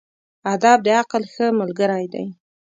ادب د عقل ښه ملګری دی.